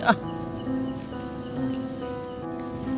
nggak kompak warganya nih